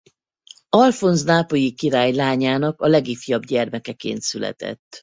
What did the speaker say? Alfonz nápolyi király lányának a legifjabb gyermekeként született.